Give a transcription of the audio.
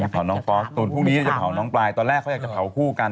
ตอนนี้จะเผาน้องปลายตอนแรกเขาอยากเผาคู่กัน